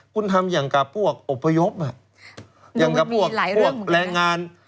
คุณทำอย่างกับพวกอพยพอ่ะมันมีหลายเรื่องเหมือนกันอย่างกับพวกพวกแรงงาน